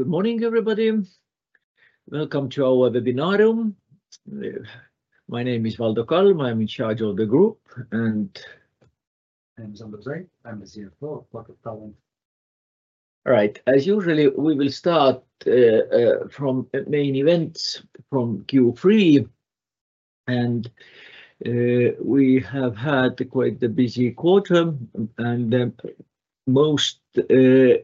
Good morning, everybody. Welcome to our webinar. My name is Valdo Kalm. I'm in charge of the group, and. Andrus Ait, I'm the CFO of Valdo Kalm. All right, as usual, we will start from main events from Q3. And we have had quite a busy quarter, and the most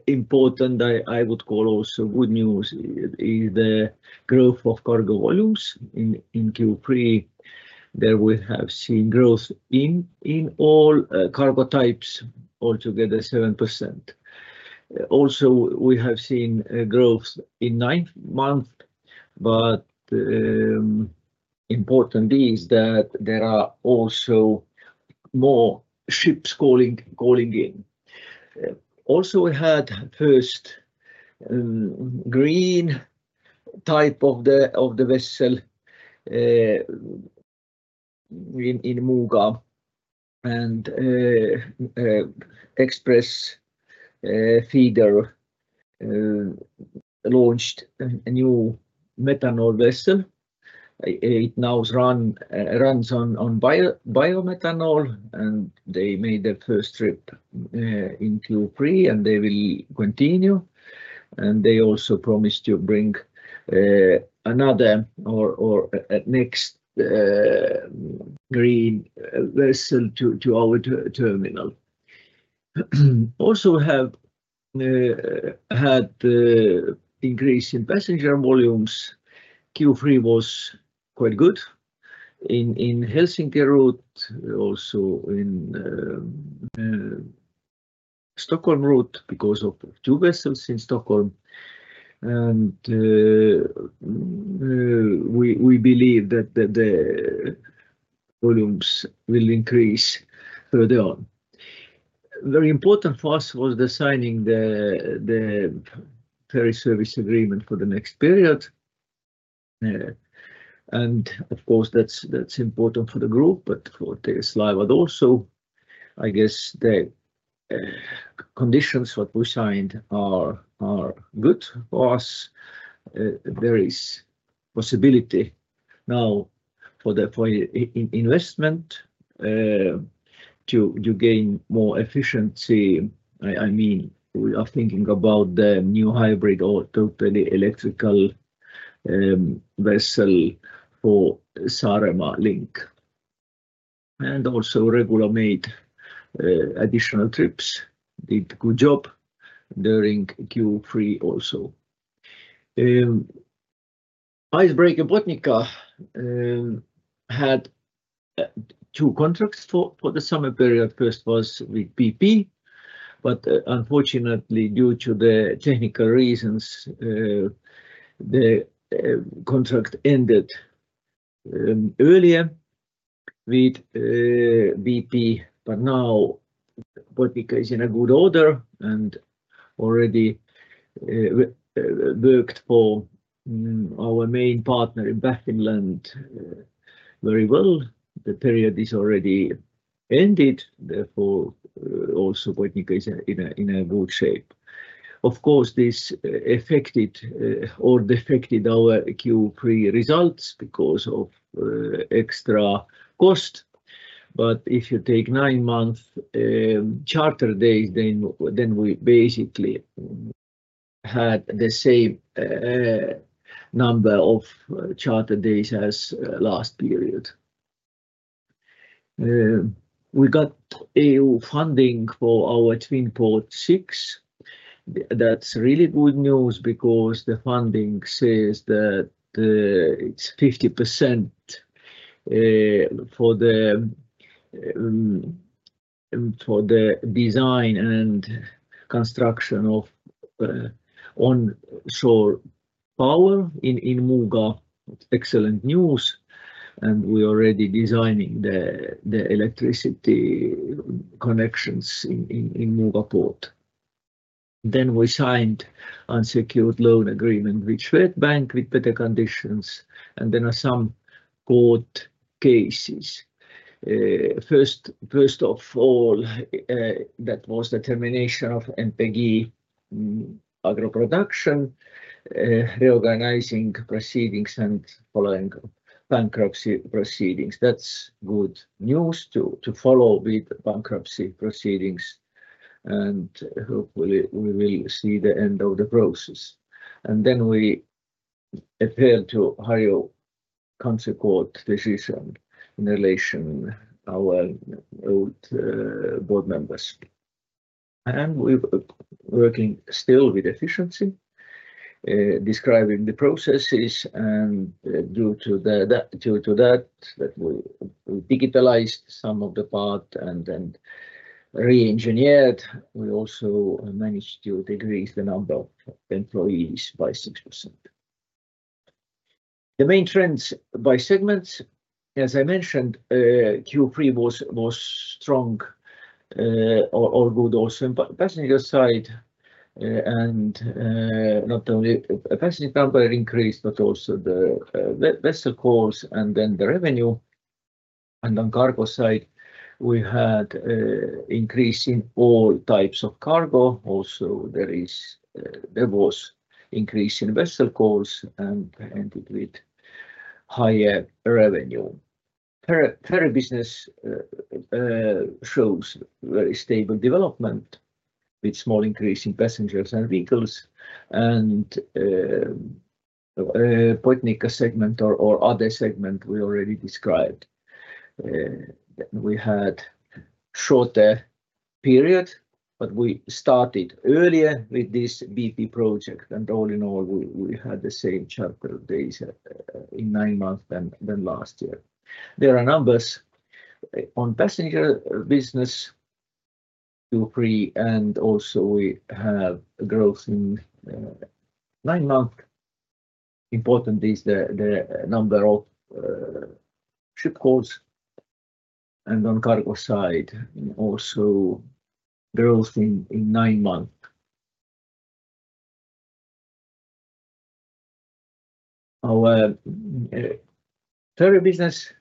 important I would call also good news is the growth of cargo volumes in Q3. There we have seen growth in all cargo types, altogether 7%. Also, we have seen growth in ninth month, but important is that there are also more ships calling in. Also, we had first green type of the vessel in Muuga, and X-Press Feeders launched a new methanol vessel. It now runs on biomethanol, and they made the first trip in Q3, and they will continue. And they also promised to bring another or next green vessel to our terminal. Also, we have had an increase in passenger volumes. Q3 was quite good in Helsinki route, also in Stockholm route because of two vessels in Stockholm. And we believe that the volumes will increase further on. Very important for us was the signing of the ferry service agreement for the next period. And of course, that's important for the group, but for the Slawa also. I guess the conditions that we signed are good for us. There is possibility now for investment to gain more efficiency. I mean, we are thinking about the new hybrid or totally electrical vessel for Saaremaa Link. And also regular made additional trips did a good job during Q3 also. Icebreaker Botnica had two contracts for the summer period. First was with BP, but unfortunately, due to the technical reasons, the contract ended earlier with BP. But now Botnica is in a good order and already worked for our main partner in Baffinland very well. The period is already ended. Therefore, also Botnica is in a good shape. Of course, this affected our Q3 results because of extra cost, but if you take nine months charter days, then we basically had the same number of charter days as last period. We got EU funding for our Twin-Port 6. That's really good news because the funding says that it's 50% for the design and construction of onshore power in Muuga. Excellent news, and we are already designing the electricity connections in Muuga port. Then we signed unsecured loan agreement with Swedbank with better conditions, and then some court cases. First of all, that was the termination of MPG AgroProduction, reorganization proceedings and followed by bankruptcy proceedings. That's good news to follow with bankruptcy proceedings, and hopefully, we will see the end of the process. Then we appealed the Harju County Court decision in relation to our old board members. We're working still with efficiency, describing the processes, and due to that, we digitalized some of the part and then re-engineered. We also managed to decrease the number of employees by 6%. The main trends by segments, as I mentioned, Q3 was strong or good also on the passenger side. Not only the passenger number increased, but also the vessel calls and then the revenue. On cargo side, we had an increase in all types of cargo. Also, there was an increase in vessel calls and with higher revenue. Ferry business shows very stable development with small increase in passengers and vehicles. Botnica segment or other segment we already described. We had a shorter period, but we started earlier with this BP project. All in all, we had the same charter days in nine months than last year. There are numbers on passenger business Q3, and also we have growth in nine months. Important is the number of vessel calls, and on cargo side, also growth in nine months. Our ferry business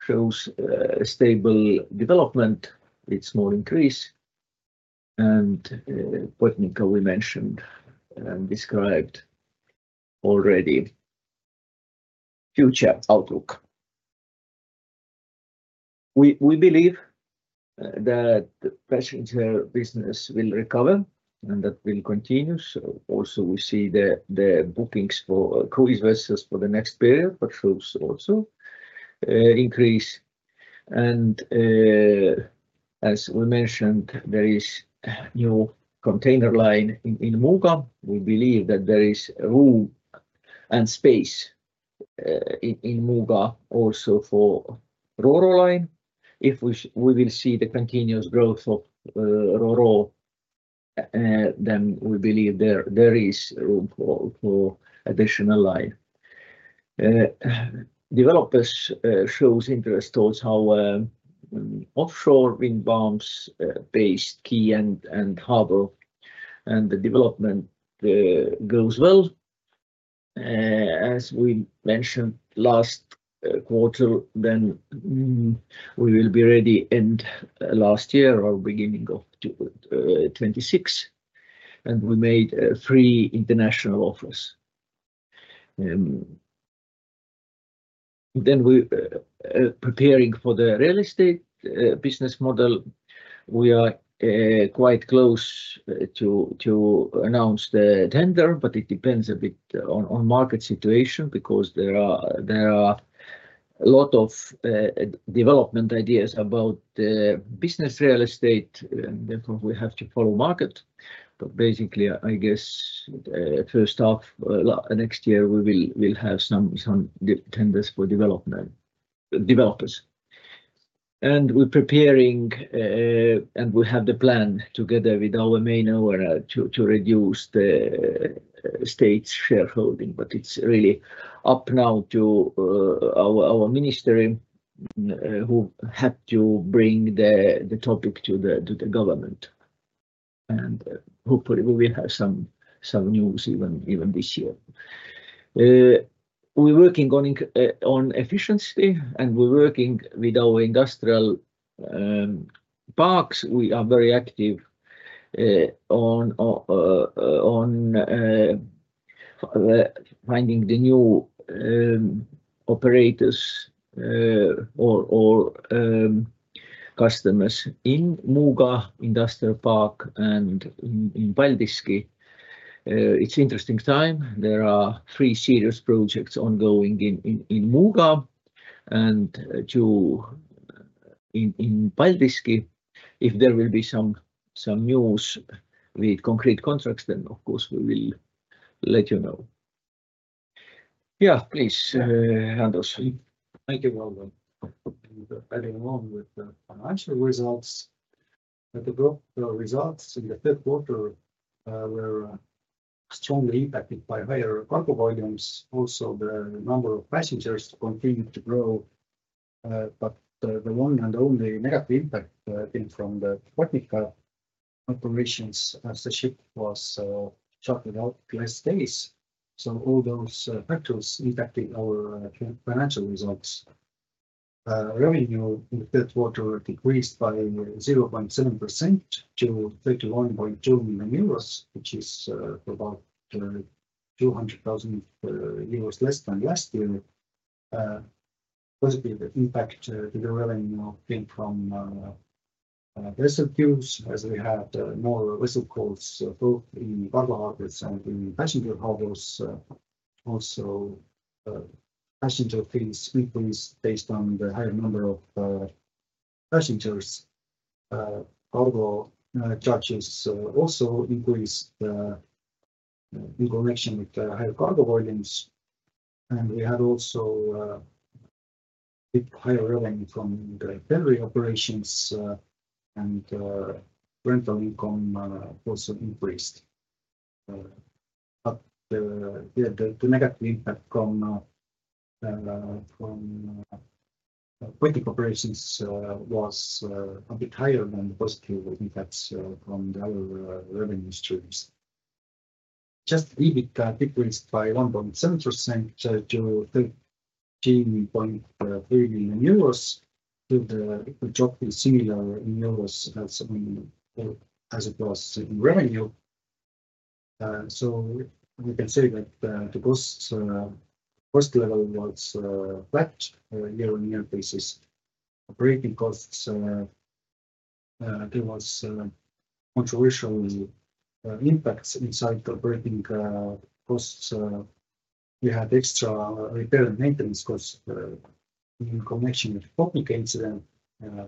shows stable development with small increase, and Botnica, we mentioned and described already future outlook. We believe that passenger business will recover and that will continue, so also, we see the bookings for cruise vessels for the next period, but ships also increase, and as we mentioned, there is a new container line in Muuga. We believe that there is room and space in Muuga also for RORO line. If we will see the continuous growth of RORO, then we believe there is room for additional line. Developers show interest also in how offshore wind farms based quay and harbor and the development goes well. As we mentioned last quarter, then we will be ready end last year or beginning of 2026, and we made three international offers. Then we are preparing for the real estate business model. We are quite close to announce the tender, but it depends a bit on market situation because there are a lot of development ideas about business real estate, and therefore, we have to follow market. But basically, I guess first off, next year we will have some tenders for developers, and we're preparing, and we have the plan together with our main owner to reduce the state's shareholding, but it's really up now to our ministry who had to bring the topic to the government, and hopefully, we will have some news even this year. We're working on efficiency, and we're working with our industrial parks. We are very active on finding the new operators or customers in Muuga Industrial Park and in Paldiski. It's an interesting time. There are three serious projects ongoing in Muuga and in Paldiski. If there will be some news with concrete contracts, then of course, we will let you know. Yeah, please, Andrus. Thank you all. We're heading on with the financial results. The growth results in the third quarter were strongly impacted by higher cargo volumes. Also, the number of passengers continued to grow. But the one and only negative impact came from the Botnica operations as the ship was chartered out less days. So all those factors impacted our financial results. Revenue in the third quarter decreased by 0.7% to 31.2 million euros, which is about 200,000 euros less than last year. Positive impact to the revenue came from vessel quays as we had more vessel calls both in cargo harbors and in passenger harbors. Also, passenger fees increased based on the higher number of passengers. Cargo charges also increased in connection with the higher cargo volumes. And we had also higher revenue from the ferry operations, and rental income also increased. But the negative impact from Botnica operations was a bit higher than the positive impacts from the other revenue streams. Just EBITDA decreased by 1.7% to EUR 13.1 million, with the drop in similar in euros as it was in revenue. So we can say that the cost level was flat year-on-year basis. Operating costs, there was countervailing impacts inside operating costs. We had extra repair and maintenance costs in connection with the Botnica incident.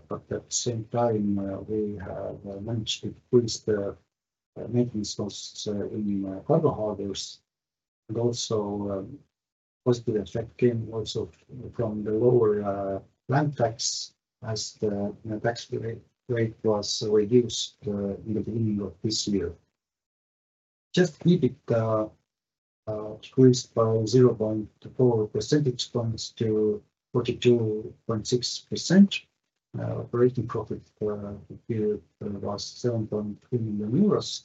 But at the same time, we have managed to decrease the maintenance costs in cargo harbors. And also, positive effect came also from the lower land tax as the tax rate was reduced in the beginning of this year. Just EBITDA decreased by 0.4 percentage points to 42.6%. Operating profit period was 7.3 million euros.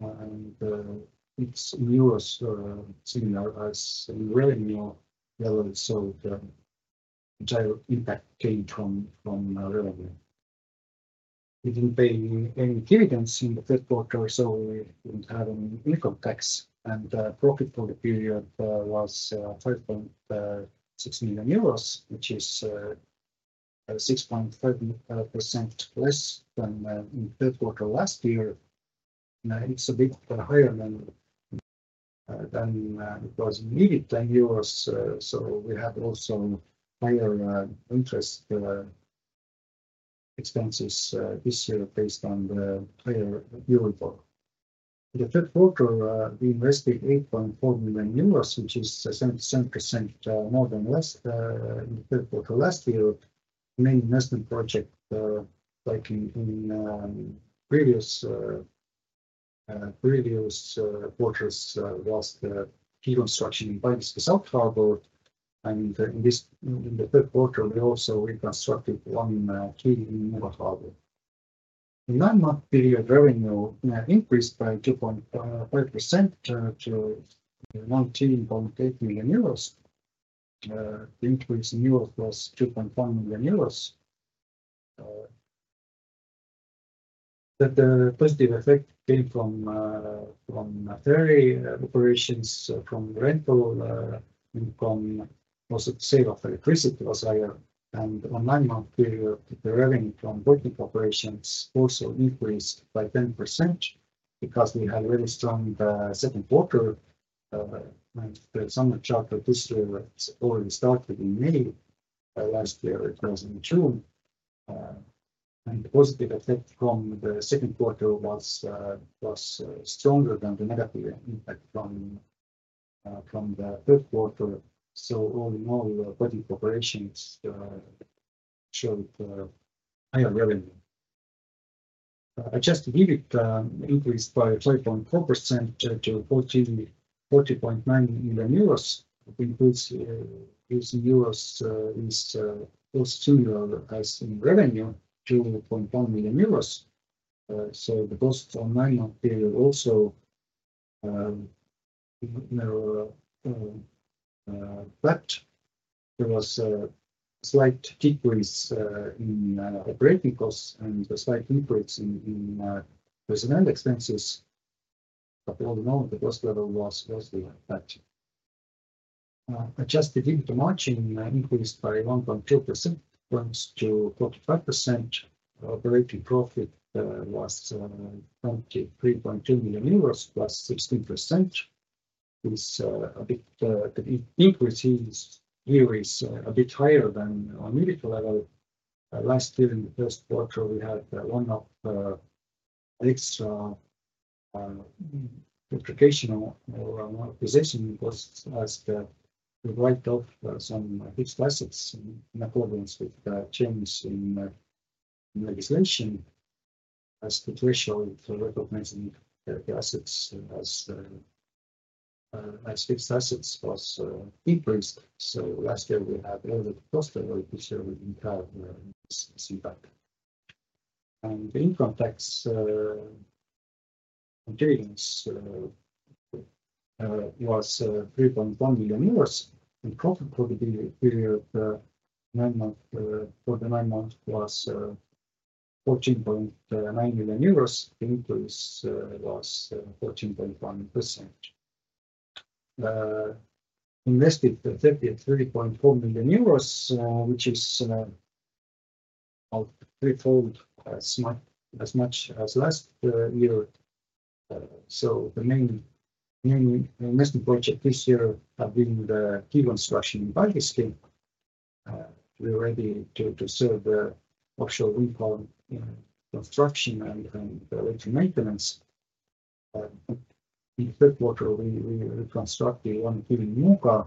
And it's in euros, similar as in revenue level, so the entire impact came from revenue. We didn't pay any dividends in the third quarter, so we didn't have any income tax, and the profit for the period was 5.6 million euros, which is 6.5% less than in the third quarter last year. It's a bit higher than it was in EBITDA in euros, so we had also higher interest expenses this year based on the higher euro dollar. In the third quarter, we invested 8.4 million euros, which is 77% more than last in the third quarter last year. Main investment project, like in previous quarters, was the quay construction in Paldiski South Harbor, and in the third quarter, we also reconstructed one quay in Muuga Harbor. In nine months period, revenue increased by 2.5% to 19.8 million euros. The increase in euros was 2.1 million euros. The positive effect came from ferry operations, from rental income, also the sale of electricity was higher. And on nine months period, the revenue from Botnica operations also increased by 10% because we had a very strong second quarter. And the summer charter this year has already started in May last year. It was in June. And the positive effect from the second quarter was stronger than the negative impact from the third quarter. So all in all, Botnica operations showed higher revenue. Adjusted EBITDA increased by 5.4% to EUR 40.9 million. Including euros, it's also similar as in revenue, 2.1 million euros. So the cost on nine months period also flat. There was a slight decrease in operating costs and a slight increase in recurring expenses. But all in all, the cost level was positive, in fact. Adjusted EBITDA margin increased by 1.2% to 45%. Operating profit was 23.2 million euros, plus 16%. This increase here is a bit higher than on EBITDA level. Last year, in the first quarter, we had one-off extra impairment or amortization costs as the write-off of some fixed assets in accordance with the changes in legislation as the threshold for recognizing the assets as fixed assets was increased. So last year, we had a little bit of cost level. This year we didn't have this impact. The income tax expense was 3.1 million euros. Profit for the period, for the nine months, was 14.9 million euros. The increase was 14.1%. We invested 30.4 million euros, which is about threefold as much as last year. The main investment project this year has been the quay construction in Paldiski. We're ready to serve the offshore wind farm construction and electrical maintenance. In the third quarter, we reconstructed one quay in Muuga.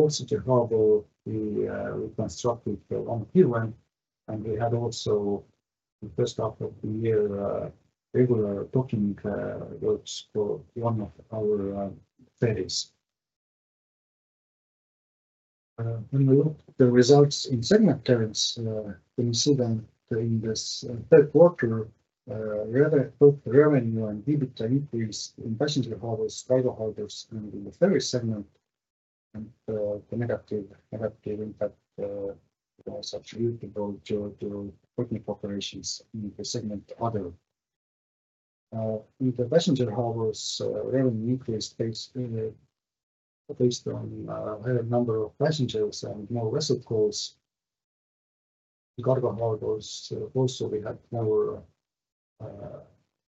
Also to the harbor, we reconstructed one quay wind. We had also the first half of the year regular docking works for one of our ferries. When we look at the results in segment terms, we see that in this third quarter, revenue and EBITDA increased in passenger harbors, cargo harbors, and in the ferry segment. The negative impact was attributable to Botnica operations in the other segment. In the passenger harbors, revenue increased based on a higher number of passengers and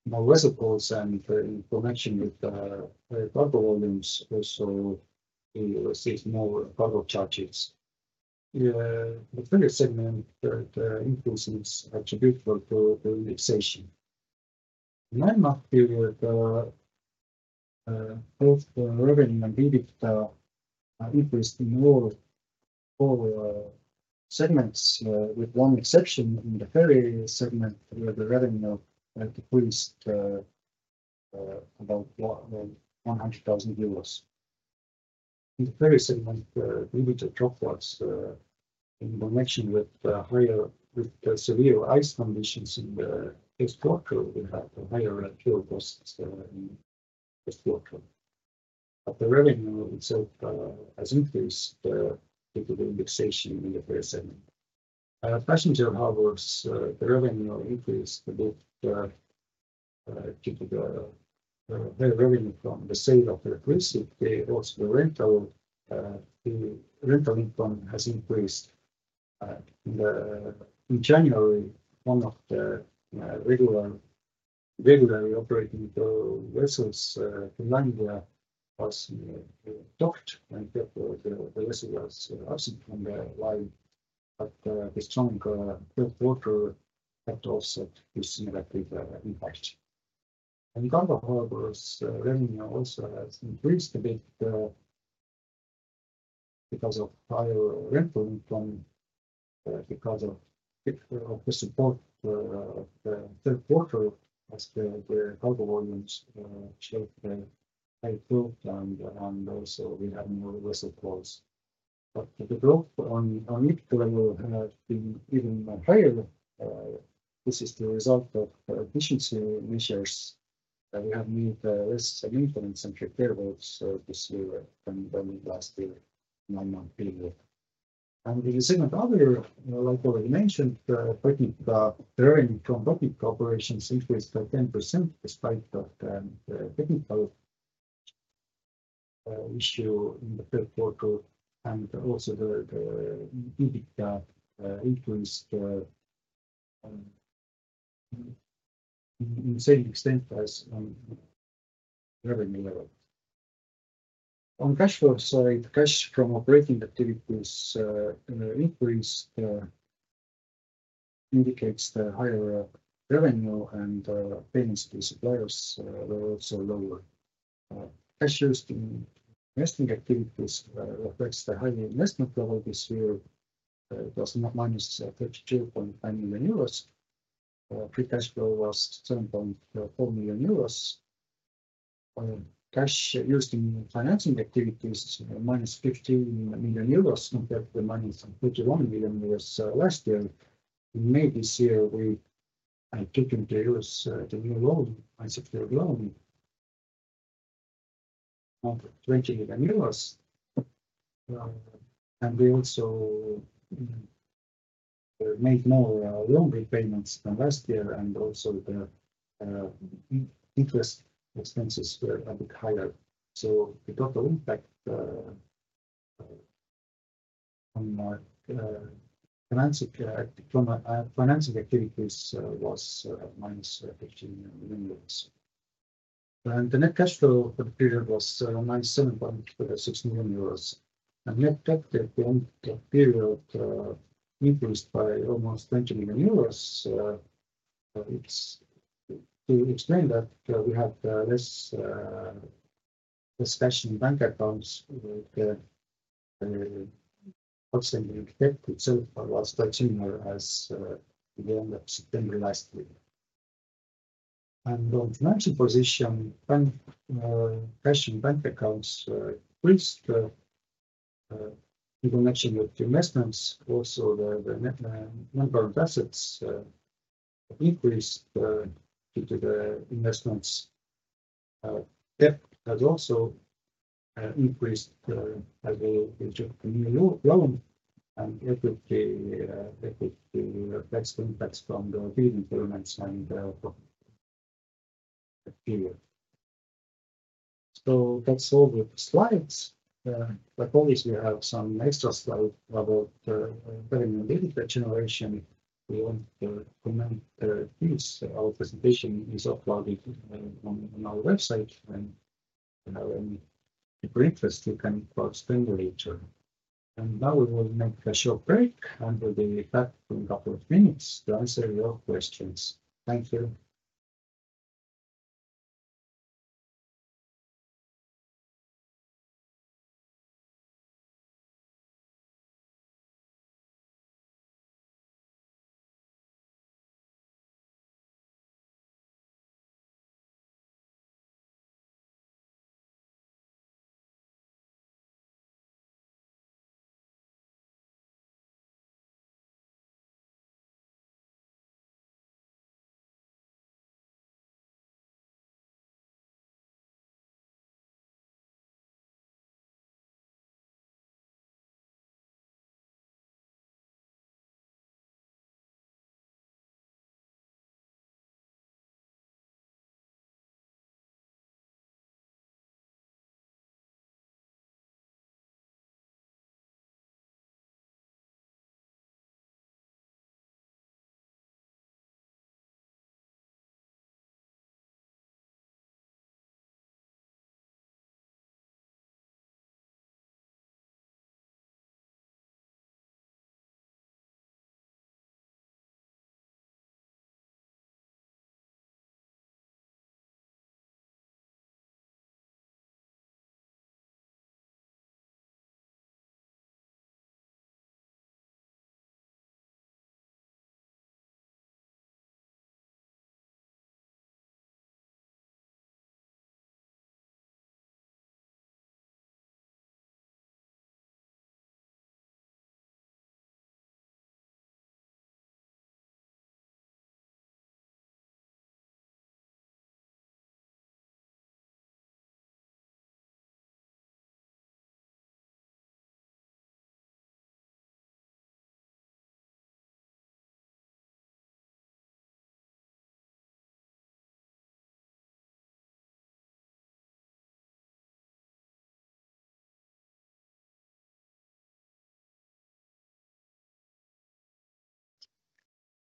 more vessel calls. In cargo harbors, also we had more vessel calls. In connection with the cargo volumes, also we received more cargo charges. The ferry segment increases attributable to indexation. In nine months period, both revenue and EBITDA increased in all four segments, with one exception in the ferry segment where the revenue decreased about EUR 100,000. In the ferry segment, EBITDA dropped in connection with severe ice conditions in the first quarter. We had a higher fuel cost in the first quarter, but the revenue itself has increased due to the indexation in the ferry segment. In Passenger Harbors, the revenue increased a bit due to the higher revenue from the sale of electricity. Also, the rental income has increased. In January, one of the regularly operating vessels to Lingua was docked, and therefore, the vessel was absent from the line, but this strong third quarter had also this negative impact, and Cargo Harbor's revenue also has increased a bit because of higher rental income, because of the support of the third quarter, as the cargo volumes showed higher growth. And also we had more vessel calls, but the growth on EBITDA level has been even higher. This is the result of efficiency measures. We have made less maintenance and repair works this year than last year in nine months period. And in the segment other, like already mentioned, the revenue from Botnica operations increased by 10% despite the technical issue in the third quarter. And also the EBITDA increased to a certain extent as on revenue level. On cash flow side, cash from operating activities increased indicates the higher revenue. And payments to suppliers were also lower. Cash used in investing activities reflects the higher investment level this year. It was minus 32.9 million euros. Free cash flow was 7.4 million euros. Cash used in financing activities minus 15 million euros compared to the minus 31 million euros last year. In May this year, we took into use the new loan, a secured loan of EUR 20 million. And we also made more longer payments than last year. And also the interest expenses were a bit higher. So the total impact on financing activities was minus EUR 15 million. And the net cash flow for the period was minus 7.6 million euros. And net debt at the end of the period increased by almost 20 million euros. It's to explain that we had less cash in bank accounts. The outstanding debt itself was quite similar as in the end of September last year. And on financial position, cash in bank accounts increased in connection with investments. Also, the number of assets increased due to the investments. Debt has also increased as we took the new loan. And equity reflects the impacts from the fee increments and that period. So that's all with the slides. But obviously, we have some extra slides about revenue and EBITDA generation. We won't comment on these. Our presentation is uploaded on our website. And if you have any interest, you can explore it later. And now we will make a short break and will be back in a couple of minutes to answer your questions. Thank you.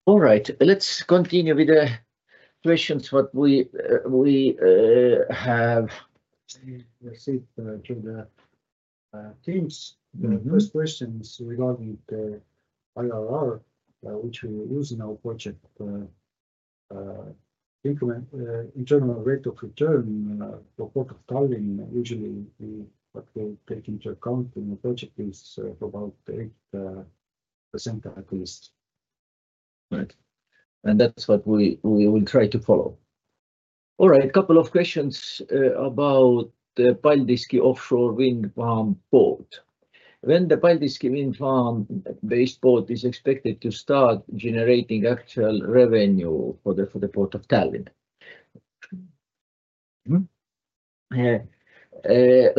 All right. Let's continue with the questions that we have. We received through the teams. The first question is regarding the IRR, which we use in our project. Internal rate of return for Port of Tallinn usually we take into account in the project is about 8% at least. Right. And that's what we will try to follow. All right. A couple of questions about the Paldiski offshore wind farm port. When the Paldiski wind farm-based port is expected to start generating actual revenue for the Port of Tallinn?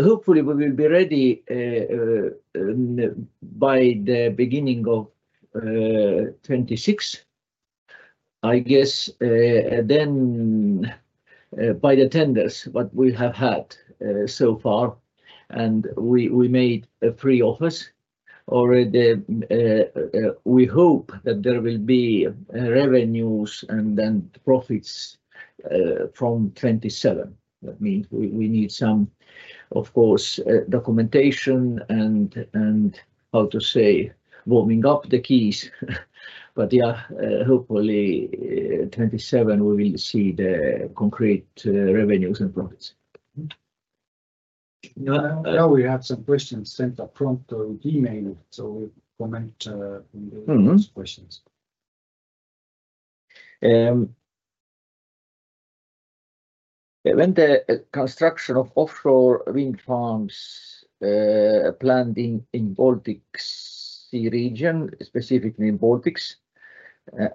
Hopefully, we will be ready by the beginning of 2026. I guess then by the tenders, what we have had so far. And we made a pre-offers. Already, we hope that there will be revenues and then profits from 2027. That means we need some, of course, documentation and, how to say, warming up the quays. But yeah, hopefully, 2027, we will see the concrete revenues and profits. Now we have some questions sent up front to Gmail. So we'll comment on those questions. When the construction of offshore wind farms planned in the Baltic Sea region, specifically in the Baltics?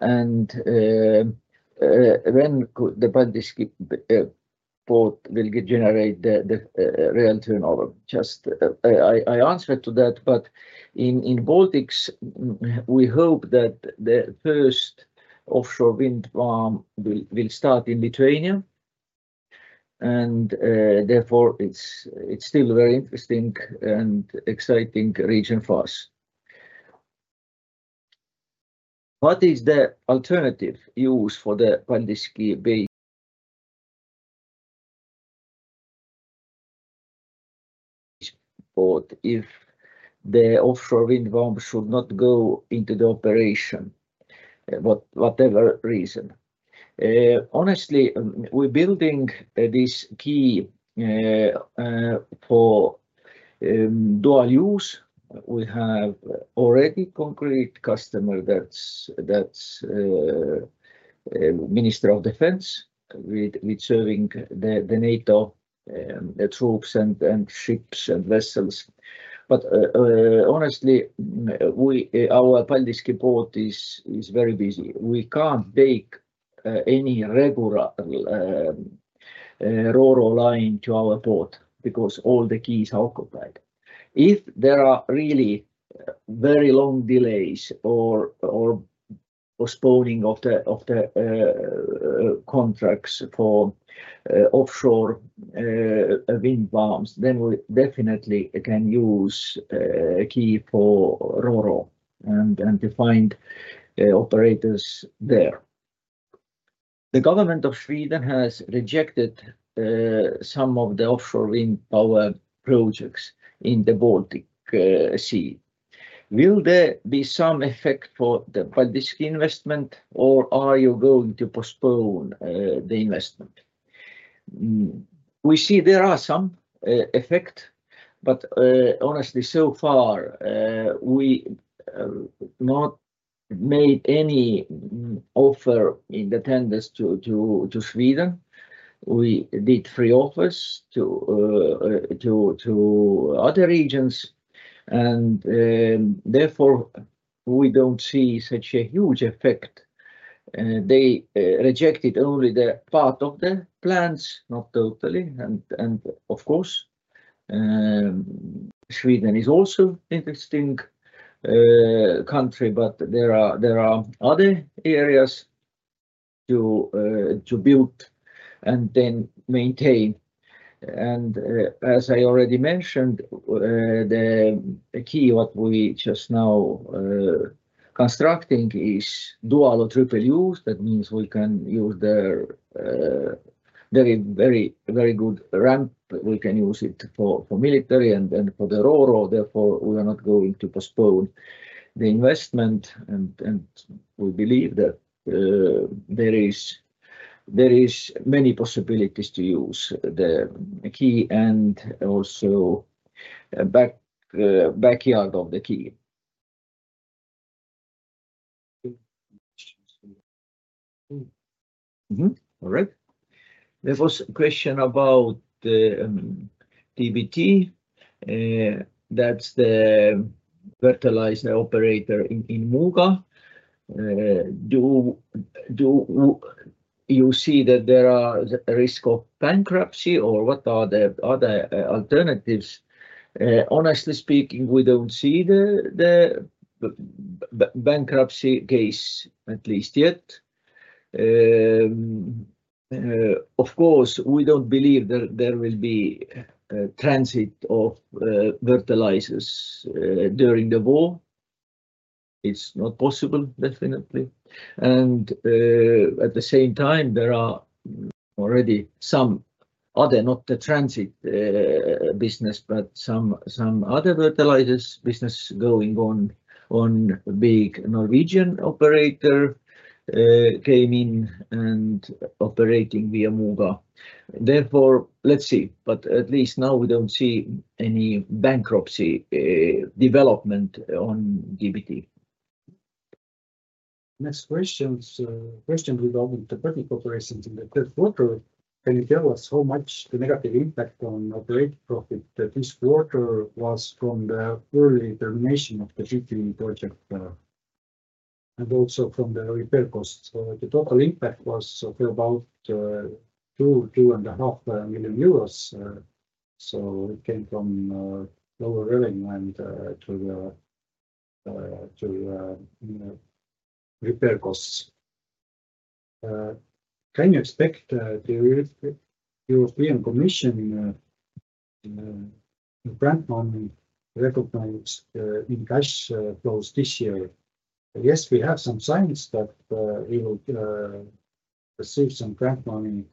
And when the Paldiski port will generate the real turnover? Just I answered to that. But in the Baltics, we hope that the first offshore wind farm will start in Lithuania. And therefore, it's still a very interesting and exciting region for us. What is the alternative use for the Paldiski port if the offshore wind farm should not go into the operation for whatever reason? Honestly, we're building this quay for dual use. We have already a concrete customer that's the Ministry of Defence with serving the NATO troops and ships and vessels, but honestly, our Paldiski port is very busy. We can't take any regular RoRo line to our port because all the quays are occupied. If there are really very long delays or postponing of the contracts for offshore wind farms, then we definitely can use a quay for RoRo and find operators there. The government of Sweden has rejected some of the offshore wind power projects in the Baltic Sea. Will there be some effect for the Paldiski investment, or are you going to postpone the investment? We see there are some effects, but honestly, so far, we have not made any offer in the tenders to Sweden. We did free offers to other regions, and therefore, we don't see such a huge effect. They rejected only part of the plants, not totally. And of course, Sweden is also an interesting country. But there are other areas to build and then maintain. And as I already mentioned, the quay what we just now are constructing is dual or triple use. That means we can use the very good ramp. We can use it for military and then for the RoRo. Therefore, we are not going to postpone the investment. And we believe that there are many possibilities to use the quay and also the backyard of the quay. All right. There was a question about DBT. That's the fertilizer operator in Muuga. Do you see that there is a risk of bankruptcy, or what are the other alternatives? Honestly speaking, we don't see the bankruptcy case at least yet. Of course, we don't believe there will be transit of fertilizers during the war. It's not possible, definitely, and at the same time, there are already some other, not the transit business, but some other fertilizers business going on. One big Norwegian operator came in and is operating via Muuga. Therefore, let's see, but at least now we don't see any bankruptcy development on DBT. Next question. Question regarding the Baltic operations in the third quarter. Can you tell us how much the negative impact on operating profit this quarter was from the early termination of the MPG project and also from the repair costs? The total impact was for about 2 million euros or EUR 2.5 million, so it came from lower revenue and to the repair costs. Can you expect the European Commission grant money recognized in cash flows this year? Yes, we have some signs that we will receive some grant money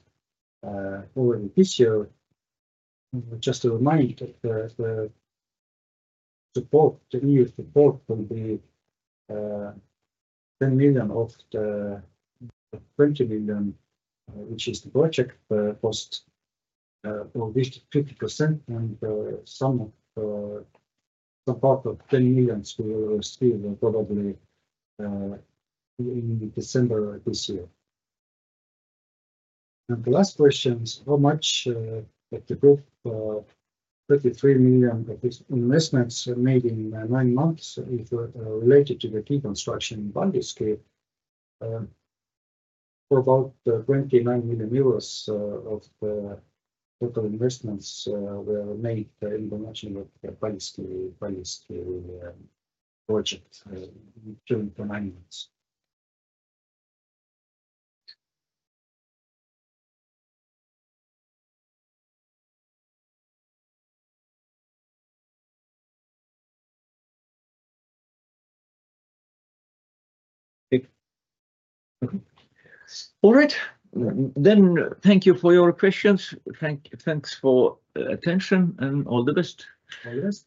already this year. Just a reminder that the EU support will be 10 million of the 20 million, which is the project cost, or 50%. And some part of 10 million will still probably be in December this year. And the last question is how much of the group's 33 million investments made in nine months related to the quay construction in Paldiski, for about 29 million euros of the total investments were made in the Paldiski project during the nine months. All right. Then thank you for your questions. Thanks for attention and all the best. All the best.